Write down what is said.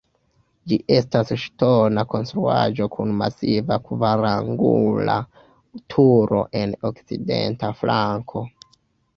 Ĝi estis ŝtona konstruaĵo kun masiva kvarangula turo en okcidenta flanko.